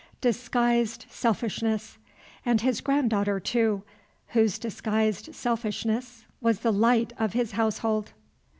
Disguised selfishness! And his granddaughter too, whose disguised selfishness was the light of his household!